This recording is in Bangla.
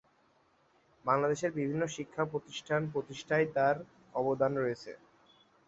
বাংলাদেশের বিভিন্ন শিক্ষা প্রতিষ্ঠান প্রতিষ্ঠায় তার অবদান রয়েছে।